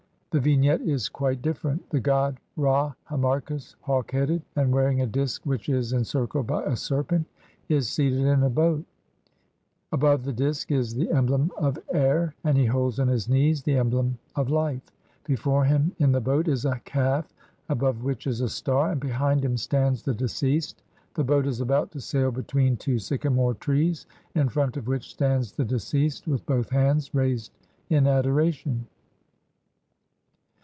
3g) the vignette is quite different. The god Ra Harmachis, hawk headed and wearing a disk which is encircled by a serpent, is seated in a boat ; above the disk is the emblem of air, and he holds on his knees the emblem of life. Before him in the boat is a calf above which is a star, and behind him stands the deceased. The boat is about to sail between two sycamore trees in front of which stands the deceased, with both hands raised in adoration.